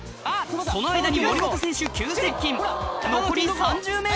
その間に森本選手急接近残り３０ｍ